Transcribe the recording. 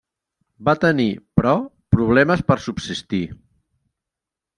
Va tenir, però, problemes per subsistir.